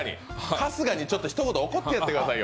春日にちょっと怒ってやってくださいよ！